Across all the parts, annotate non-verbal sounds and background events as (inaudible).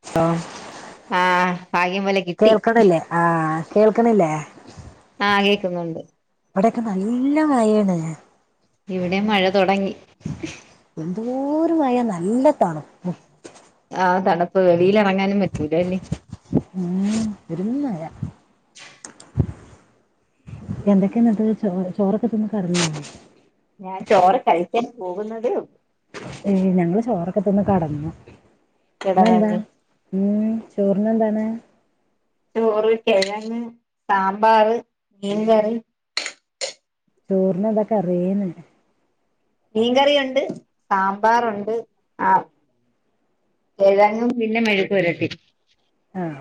(unintelligible) ആഹ് ഭാഗ്യം പോലെ കിട്ടി കേൾക്ണില്ലേ ആഹ് കേൾക്ണില്ലേ ആഹ് കേക്ന്നുണ്ട് ബെടൊക്കെ നല്ല മഴാണ് ഇവിടേം മഴ തൊടങ്ങി എന്തോര് മഴ നല്ല തണുപ്പും ആഹ് തണ്പ്പ് വെളിയിലെറങ്ങാനും പറ്റൂലല്ലേ ഉം പെരും മഴ എന്തൊക്കേന്നട്ട് ച്ചോ ചോറൊക്കെ തിന്ന് കടന്നൊ ഞാൻ ചോറ് കഴിക്കാൻ പോകുന്നതെയൊള്ളു ഏഹ് ഞങ്ങള് ചോറൊക്കെ തിന്ന് കടന്നു. ഇവിടെ ഇന്നെന്താ? തന്നെ ഇന്ന് ചോറിന് എന്താണ്? ചോറ് കെഴങ്ങ് സാമ്പാറ് മീൻകറി ചോറിനെന്താ കറീന്ന് മീൻകറിയുണ്ട് സാമ്പാറുണ്ട് ആ കിഴങ്ങും പിന്നെ മെഴുക് പെരട്ടി. ആഹ്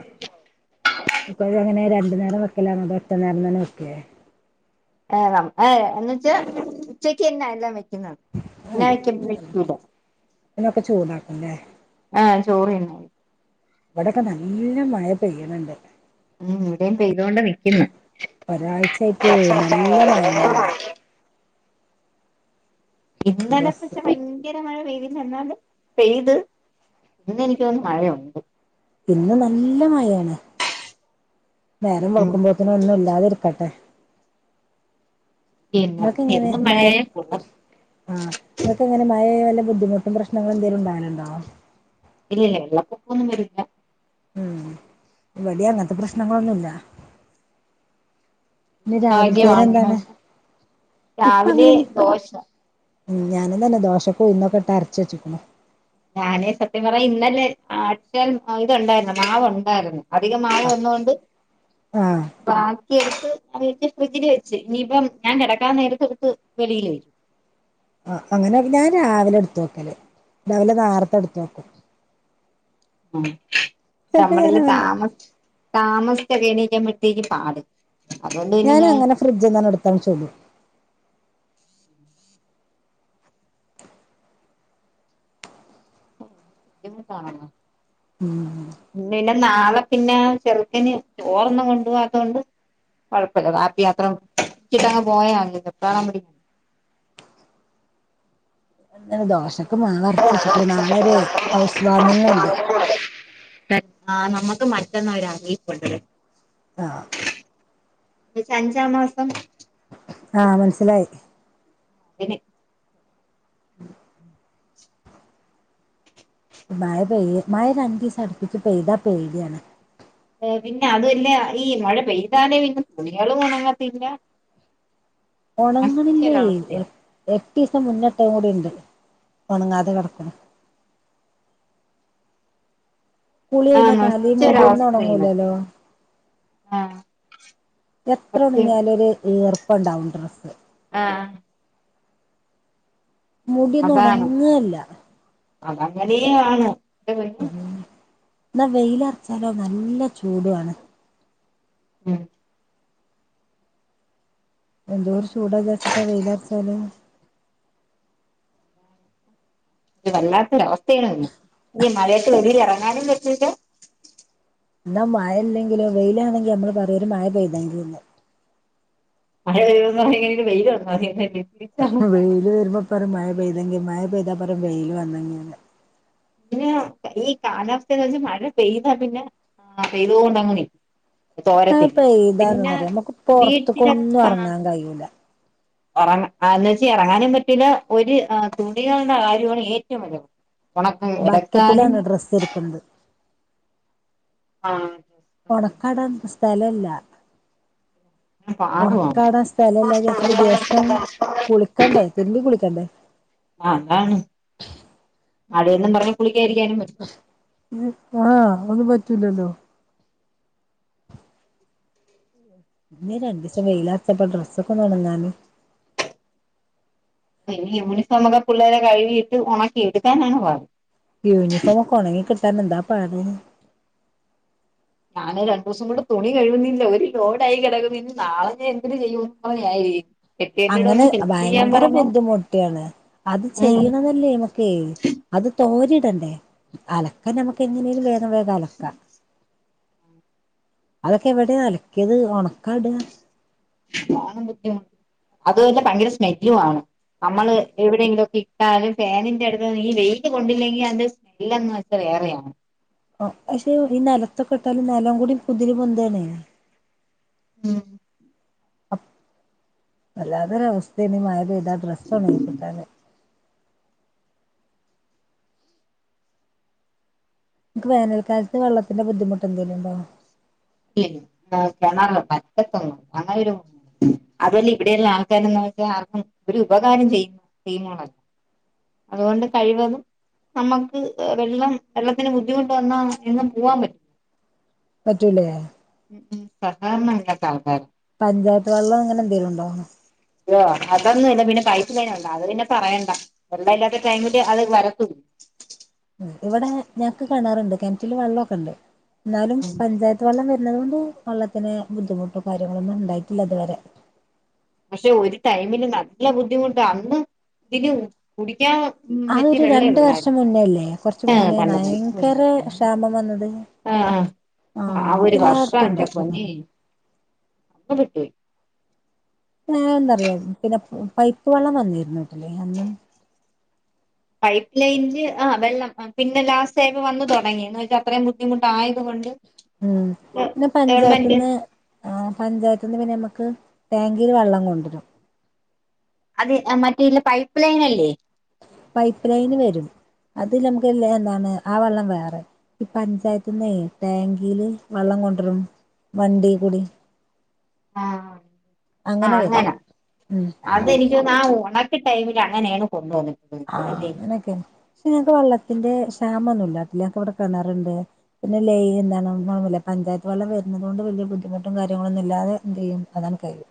അപ്പങ്ങനെ രണ്ട് നേരം വെക്കലാണോ അതോ ഒറ്റ നേരം തന്നെ വെക്കേ? ഏഹ് ഏഹ് എന്ന ച്ചാ ഉച്ചക്കന്നെല്ലാ (unintelligible) ഇതിനൊക്കെ ചൂടാക്കുംല്ലേ ആഹ് ചോറുതിന്നുന്നത്. ഇവിടെക്ക നല്ല മഴ പെയ്യ്ണിണ്ട്. ഉം ഈടെയും പെയ്യ്തോണ്ട് നിക്കുന്ന്. ഒരാഴ്ചയായിട്ട് നല്ല മഴന്നെയാണ് ഇന്നലെ ഡ്രസ്സ് പക്ഷെ ഭയ് ങ്കര മഴ പെയ്തില്ല എന്നാല് പെയ്ത് ഇന്ന് എനിക്കോന്ന് മഴയുണ്ട്. ഇന്ന് നല്ല മയാണ് നേരം ഉം വെൾക്കുമ്പോത്ത്ന് ഒന്നും ഇല്ലാതെരക്കട്ടെ പിന്നെ ങ്ങക്ക്ങ്ങനെ എന്നും മയ മഴയായ കൊള്ളാം ആഹ് ങ്ങക്കങ്ങനെ മഴേയാ വല്ല ബുദ്ധിമുട്ടും പ്രശ്നങ്ങളും ന്തെങ്കിലും ണ്ടാവല്ണ്ടോ ഇല്ല ഇല്ല വെള്ളപ്പൊക്കൊന്നും വരില്ല. ഉം ഇവടേം അങ്ങനത്തെ പ്രശ്നങ്ങളൊന്നുല്ല. ഇന്ന് രാവിൽത്തേന് ഭാഗ്യമാണെന്ന് എന്താന് വെച്ചാ ഇപ്പ രാവിലെ അങ്ങനെന്ന്. ദോശ ഉം ഞാനും തന്നെ ദോഷക് ഉയ്ന്നൊക്കെ ഇട്ടരച്ച് വെച്ച്ക്കണു. ഞാനേ സത്യം പറഞ്ഞ ഇന്നലെ ആട്ടേ ഇത് ഉണ്ടായിരുന്നു മാവ് ഉണ്ടായിരുന്നു. അധികം മാവ് വന്നോണ്ട്. ആഹ് ആഹ് ഭാക്കിയെടുത്ത് വീട്ട് ഫ്രിഡ്ജില് വെച്ച് ഇനിയിപ്പം ഞാൻ കെടക്കാൻ നേരത്ത് എട്ത്ത് വെളിയിൽ വരും. ആഹ് അങ്ങനെ എല്ലാ രാവിലെ എടുത്ത് വെക്കല് രാവിലെ നേർത്തെ എടുത്ത് വെക്കും. ഉം ചിലപ്പോ ഞാൻ നമ്മളില് അങ്ങനെ താമ താമസിച്ചെക്കെ എണീറ്റ് കഴിയുമ്പോഴത്തേക്കും പാട്. അതുകൊണ്ട് പിന്നെ ഞാൻ ഞാനങ്ങനെ ഫ്രിട്ജിന്നാണ്ട് എട്ത്താണ്ട് ചുടും. ഉം (unintelligible) നാളെ പിന്നെ ചെറ്ക്കെന് ചോർ ഒന്നും കൊണ്ട് പോവാതോണ്ട് കൊഴപ്പല്ല വാപ്പി അത്രം ഇട്ടങ്ങ് പോയാ മതിയല്ലോ (unintelligible) അന്ന ദോഷം. (unintelligible) ഹൗസ് വാമിങ്ങും ഉണ്ട് ആഹ നമ്മക്ക് മറ്റന്ന അറിയിപ്പണ്ടത് ആഹ ഇച്ച് അഞ്ചാം മാസം ആഹ് മനസിലായി. (unintelligible) (unintelligible) മഴ പെയ മഴ രണ്ടിസം അടുപ്പിച്ച് പെയ്താ പേടിയാണ്. ഓ പിന്നെ അതല്ല ഈ മഴ പെയ്താല് പിന്നെ തുണളും ഉണങ്ങത്തില്ല. ഒണങ്ങ്ണ് ഇല്ലെയ് നശിച്ചൊരവസ്ഥയാ എ എട്ടീസം മുന്നെ ഇട്ടെയ്കൂടി ഇണ്ട് ഒണങ്ങാതെ കെട്ക്ക്ണ് കുളി ആഹ് കഴിഞ്ഞാ തലിം മുടി ഒന്നും നശിച്ചൊരവസ്ഥയാണ് ഒങ്ങുലല്ലോ ആഹ് എത്ര സത്യം ഉണഞ്ഞാലും ഒരു ഈർപ്പ ഉണ്ടാവും ഡ്രസ്സ്. ആഹ് മുടിന്നും ഓണങ്ങേല്ല. അതങ്ങനെയാണ് എന്നാ വെയില് അറച്ചാലോ നല്ല ചൂടുംആണ്. ഉം എന്തോര് ചൂടാ വിചാര്ച്ച്ട്ടാ വെയിൽ അർച്ചാൽ ഇത് വല്ലാത്തൊര് അവസ്ഥയാണ് ഈ മഴയെത്ത് വെളിയിൽ എറങ്ങാനും പറ്റില്ല ഇന്നാ മഴ ഇല്ലെങ്കിലോ വെയിലാണെങ്കി നമ്മെൾ പറിം ഒര് മഴ പെയ്തെങ്കിന്ന് മഴ പെയ്യും ന്ന് പറഞ്ഞിട്ട് വെയില് വന്നു (unintelligible) വെല് വരുമ്പോ പറും മഴ പെയ്തെങ്കി മഴ പെയ്താപ്പറിം വെയിയില് വന്നെങ്കിൽ. പിന്നെ ഈ കാലാവസ്ഥെന്ന് വെച്ചാ മഴ പെയ്താ പിന്നെ ആഹ് പെയ്ത് കൊണ്ട് അങ്ങ് നി തോരത്തി പിന്നെ പെയ്താന്നറിയോ നമുക്ക് വീട്ടിലെ പൊറത്ത്ക്കൊന്നും കാണാ എറങ്ങാൻ കഴിയൂല ഉറങ്ങന്ന് വെച്ചാ ഇറങ്ങാനും പറ്റുല്ല ഒരു തുണികളുടെ കാര്യമാണ് ഏറ്റവും വല്ല ഉണ ബക്കറ്റിലാണ് ഡ്രസ്സ് ഇര്ക്ക്ണെത് ആഹ് ഒണക്കാടാം സ്ഥല ഇല്ല പാടുവാണ് ഓണക്കാടാൻ സ്ഥലംല്ലാ ച്ചിട്ട്. ദിവസം കുളിക്കണ്ടേ തിരിബിം കുളിക്കണ്ടെ? ആ അതാണ് മായെന്നും പറഞ് കുളിക്കായിരിക്കാനും പറ്റി ആ ഒന്നും പറ്റൂലല്ലോ? ഇനി രണ്ട്സം വെയില് അർച്ചപ്പം ഡ്രസ്സ് ഒന്ന് ഓണങ്ങാന്ന്. ഓഹ് ഈ യൂണിഫോമൊക്കെ പുള്ളാരെ കഴ്കിയിട്ട് ഒണക്കി എടുക്കാനാണ് പാട് യൂണിഫോമൊക്കെ ഒണങ്ങി കിട്ടാൻ എന്താ പണി ഞാൻ രണ്ടു ദിവസം കൊണ്ട് തുണി കഴുകുന്നില്ല ഒരു ലോഡായി കിടക്കുന്ന് ഇനി നാളെ എന്ത്ര് ചെയ്യും (unintelligible) അങ്ങനെ ഭയങ്കര ബുദ്ധിമുട്ട്ണ് അത് ഉം ചെയ്യണത്. (unintelligible) അത് തോരണ്ടണ്ടെ അലക്കല് നമുക്ക് എങിനെലുംവോകം. വോ അലക്ക അതൊക്കെ എവിടെ അലക്കിയത് ഉണക്കാടാ? (unintelligible) അത് ഭയങ്കര സ്മെല്ലു ആണ് നമ്മള് എവിടെയെങ്കിലും ഇട്ടാലും ഫാനിൻന്റെ അടുത്ത് നീ വെയിൽ കൊണ്ടില്ലെങ്കിൽ സ് എല്ലന്ന് വെച്ചാൽ വേറെയാണ്. ഓ പക്ഷെ ഈ നെലത്തൊക്കെ ഇട്ടാലും നെലം കൂടി കുതിര് പൊന്താണെ ഉം അപ്പ വല്ലാതൊരു അവസ്ഥയണ് മഴ പെയ്ത ഡ്രസ്സ്ഉണങ്ങികിട്ടാൻ. ക് വേനൽകലത്ത് വെള്ളത്തിന്റെ ബുദ്ധിമുട്ട് എന്തേലും ഉണ്ടോ? ഇല്ലെയ് കിണറൊ പറ്റത്തൊ അങ്ങനൊരു അതുവല്ല ഇവിടെയെള്ള ആൾക്കാരന്ന്ച്ചാൽ ആർക്കും ഒരു ഉപകാരം ചെയ്യ്ന്നാ ടീമോളല്ല അതോണ്ട് കഴിവതും നമ്മക്ക് വെള്ളം വെള്ളത്തിന് ബുദ്ധിമുട്ട് വന്നാ എങ്ങ് പൂവാൻ പറ്റും പറ്റൂല്ല ഞാന് ഉം ഉം സഹകരണമില്ലാത്ത ആൾക്കാര് പഞ്ചായത്ത് വള്ളം അങ്ങനെന്തെലും ഉണ്ടോ? ഓഹ് അതൊന്നും ഇല്ല. പിന്നെ പൈപ്പ് ലൈനോണ്ട് അതുപിന്നെ പറയണ്ട. വെള്ളമില്ലാത്ത ടൈമില് അത് വരത്തു ഇവടെ ഞങ്ങക്ക് കെണറുണ്ട് കിണറ്റില് വെള്ളമൊക്കെ ഉണ്ട് എന്നാലും ഉം പഞ്ചായത്ത് വെള്ളം വരുന്നുന്നത്കൊണ്ട് വെള്ളത്തിന് ബുദ്ധിമുട്ടും കാര്യങ്ങളൊന്നും ഉണ്ടായിട്ടില്ല ഇതുവരെ. പക്ഷേ ഒരു ടൈമില് നല്ല ബുദ്ധിമുട്ടാ അന്ന് ഇതിന് കുടിക്കാൻ അത് പറ്റിയ ഒരു രണ്ട് വർഷം വെള്ളമേയുള്ളാരുന്നു മുന്നേ അല്ലേ കുറച്ച് ആ മുന്നേ (unintelligible) ഭയങ്കര ക്ഷാമം വന്നത് ആഹ അഹ ആഹ് ആ ഒരു വർഷം അതെല്ലായിടത്തും എന്റെ ഉണ്ടായിക്കോളും പൊന്നെ (unintelligible) ഞാന ഒന്നറിയാം പിന്നെ പൈപ്പ് വെള്ളം വന്നിരുന്നു കേട്ടില്ലേ അന്ന് പൈപ്പ് ലൈനില് ആ വെള്ളം പിന്നെ ലാസ്റ്റ് ടൈം വന്നു തുടങ്ങി എന്ന് വച്ചാ അത്രയും ബുദ്ധിമുട്ട് ആയതുകൊണ്ട് ഉം പിന്നെ പഞ്ചായത്തിന്ന് ആ പഞ്ചായത്തന്ന് പിന്നെ നമുക്ക് ടാങ്കിൽ വെള്ളം കൊണ്ട്രു അത് മറ്റേല്ല പൈപ്പ് ലൈനല്ലേ പൈപ്പ് ലൈന് വരും. അത് ഞമ്മക്ക് എന്താണ് ആ വെള്ളം വേറെ ഈ പഞ്ചായത്തന്ന ടാങ്കിയില് വെള്ളം കൊണ്ടരും വണ്ടി കൂടി ആഹ് ആ അങ്ങനെ വരും അങ്ങനാ ഉം അത് ഇനി എനിക്ക് തോന്നുന്ന ആ ഉണക്ക ടൈമിൽ അങ്ങനെയണ് കൊണ്ട് പൊന്നെ ആഹ് അങ്ങനൊക്കെന്നെ പക്ഷെ ഞങ്ങക്ക് വെള്ളത്തിന്റെ ക്ഷാമൊന്നുല്ല (unintelligible) പിന്നെ ലേ എന്താണ് പഞ്ചായത്ത് വെള്ളം വരുന്നത് കൊണ്ട് വലിയ ബുദ്ധിമുട്ടും കാര്യങ്ങളൊന്നും ഇല്ലാതെ ന്തേയ്യ്യും അതാണ് കാര്യം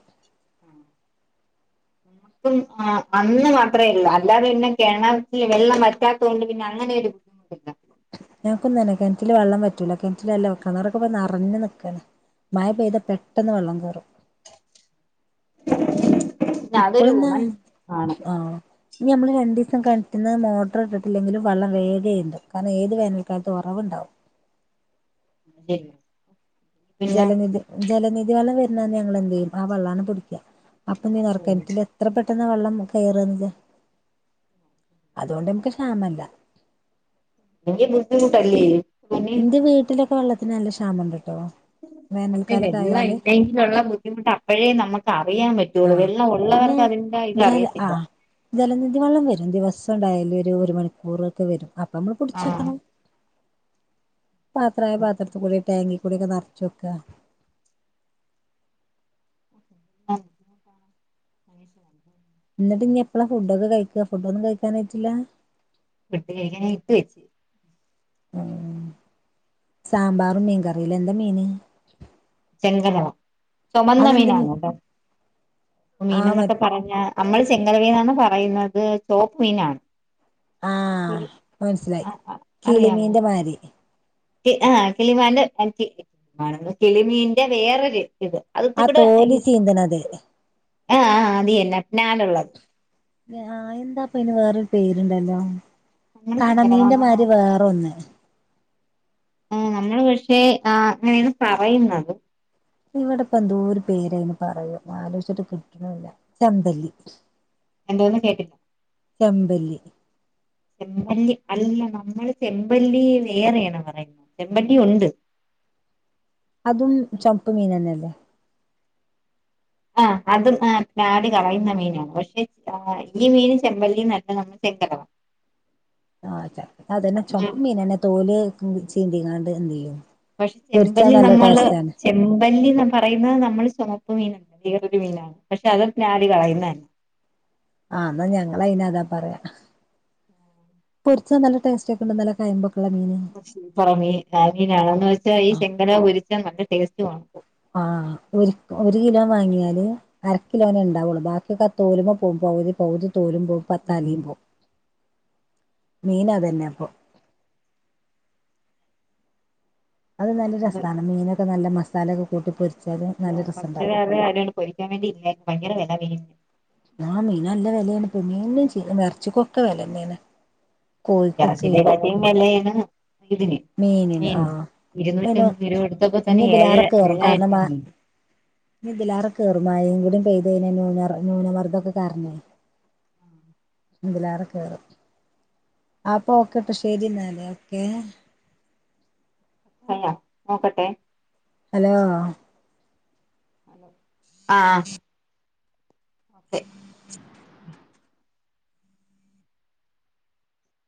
(inaudible) ഉം ആ അന്ന് മാത്രമേ ഉള്ളൂ അല്ലാതെ പിന്നെ കിണത്തിന് വെള്ളം വറ്റാത്ത കൊണ്ട് പിന്നെ അങ്ങനെരു ഇല്ലാ ഞക്കൊന്നെ കിണറ്റില് വെള്ളം വറ്റൂല കിണറ്റിലല്ല കിണരൊക്കെപ നിറഞ്ഞു നിക്കാണ് മയ പെയ്താ പെട്ടെന്ന് വെള്ളം കേറും ഇപ്പോഴൊന്ന് ! ആഹ് ഇനി നമ്മള് രണ്ടീസം കയറ്റിന്ന് മോട്ടർ ഇട്ടെങ്കിലും വള്ളം വേഗേ ന്തും കാരണം ഏത് വേനൽക്കാലും ഒറവ്ണ്ടാവും (inaudible) ജലനിധി ജലനിധി വെള്ളം വരുന്നന്ന് ഞങ്ങളെന്തെയും ആ വെള്ളമാണ് കുടിക്കുക അപ്പൊ (unintelligible) എത്ര പെട്ടെന്ന് വെള്ളം കയറലില്ല അതുകൊണ്ട് നമുക്ക്ക്ഷാമം ഇല്ല എങ്കിൽ ബദ്ധിമുട്ടല്ലേ എന്റെ വീട്ടിലൊക്കെ വെള്ളത്തിന് നല്ല ക്ഷാമം ഉണ്ട് കേട്ടോ പക്ഷേ വെള്ളം ഇല്ലെങ്കിൽ ഉള്ള ബുദ്ധിമുട്ട് അപ്പോഴേ നമുക്ക് അറിയാൻ പറ്റും ആഹ് വെള്ളം പിന്നെ ഉള്ളവർക്ക് അതിന്റെ ഇത് ജല അറിയത്തില്ല ആഹ് ജലനിധി വെള്ളം വരും ദിവസം ഉണ്ടായാലു ഒരു മണിക്കൂറ് ഒക്കെ വരും അപ്പൊ നമ്മള് പിടിച്ചക്കണം പാത്രമായ പാത്രത്തി കൂടി ടാങ്കി കൂടെക്കെ നിറച്ച് വെക്ക ആഹ് എന്നിട്ട് ഇനി എപ്പഴാ ഫുഡക്കെ കഴിക്കുക ഫുഡൊന്നും കഴിക്കാനായിട്ടില്ല (unintelligible) ആ സാമ്പാറും മീൻകറിയില എന്താ മീന് ചെങ്കരവ ചൊമന്ന അതെന്ത് മീൻ മീനാണ് കേട്ടോ മീൻ ആഹ് മ എന്നൊക്കെ പറഞ്ഞാ നമ്മൾ ചെങ്കരവെന്നാണ് പറയുന്നത് ടോപ് മീനാ ആഹ് ആ ആഹ് അറിയാമോ വാരി തീ ആ കിളിമാന്റെ (unintelligible) കിളിമീന്റെ വേറൊരു ഇത് അത് ഇത്തി ആ കൂടെ തോല് ചീന്തണത് ആ ആ അത് തന്നെ നാനൊള്ളത് പേ ആ എന്താപ്പ ഇന് വേറൊരു പേരുണ്ടല്ലോ അങ്ങനെ കണമീന്റെ ശങ്കരമാമാ മാരി വേറെ ഒന്ന് ആ നമ്മള് പക്ഷേ ആ അങ്ങനെയാണ് പറയുന്നതും ഇവിടെപ്പ എന്തോരു പേരയ്ന് പറയും ആലോചിച്ചിട്ട് കിട്ടണില്ല ചെമ്പല്ലി. എന്തോന്ന് കേട്ടി ചെമ്പല്ലി ചെമ്പല്ലി അല്ല നമ്മള് ചെമ്പല്ലി വേറെയണ്പറയുന്നത് ചെമ്പല്ലി ഉണ്ട്. അതും ചപ്പ് മീനന്നല്ലേ ആ അതും ആ നാടി കളയുന്ന മീനാണ് പക്ഷെ ഈ മീൻ ചെമ്പല്ലി നല്ല ടേസ്റ്റാകരം. (inaudible) ആഹ് അതെ അതന്നെ ചൊമപ്പ് മീനന്നെ തോല് ചീന്തിങ്ങാണ്ട് എന്ത്യ്യും. പക്ഷെ ചെമ്പല്ലി നമ്മള് ചെമ്പല്ലിന്ന് പറയുന്ന നമ്മള് ചുമപ്പ് മീന വേറൊരു മീനാണ് പക്ഷെ അത് ഞാര് കളയുന്നന്നെ ആ എന്നാ ഞങ്ങൾ അയിന അതാ പറയാ പൊരിച്ച നല്ല ടേസ്റ്റ് ഒക്കെ ഉണ്ട് നല്ല കയമ്പൊക്കള്ള മീന സൂപ്പറ മീൻ മീനാണന്ന് വെച്ചാ ഈ ചെങ്കലവ പൊരിച്ചാ നല്ല ടേസ്റ്റ് വാണ് ആഹ് ഒരു ഒരു കിലോ വാങ്ങിയാല് അരക്കിലോനെ ണ്ടാവൊള്ളൂ ബാക്കിഒക്കെ ആതോലുമ്മെ പോകും പകുതി പകുതി തോലും പോവും. ഉം തലിം പോകും മീനതന്നഅപ്പൊ അത് നല്ല രസാണ് മീനൊക്കെ നല്ല മസാലയൊക്കെ കൂട്ടി പൊരി പക്ഷേ അത് ആരാണ്ട് പൊരിക്കാൻ വേണ്ടി ഇല്ലായിരിക്കും ഭയങ്കര വെല മീന് ആ മീൻ നല്ല വെലേണ് ഇപ്പൊ മീനും എറച്ചിക്കൊക്കെ വെലന്നേണ്. ഗ്യാസിന്റെ ക്കാട്ടീം വെലേണ് ഇതിന്. മീനിന് ആഹ് പിന്നെ ഇരുന്നൂറ്റമ്പത് രൂപ എടുത്തപ്പോ തന്നെ ഇനി ഏഴോ ഇതിലേറെ കേറും കാരണം എട്ടാ മ മീൻ ഇനി ഇതിലാറെ കേറും മയിംകൂട പെയ്ത് ന്യുനർ ന്യൂനമർദ്ദംക്കെ കാരണെ ഇതിലേറെ കേറും അപ്പൊ ഓക്കെട്ടോ ശരി ന്നാല് ഓക്കേ. കഴിഞ്ഞ നോക്കട്ടെ ഹലോ ആഹ് (unintelligible)